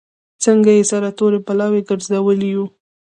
څنګه یې سره تورې بلاوې ګرځولي یو.